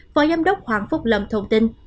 phó giám đốc hoàng phúc lầm thông tin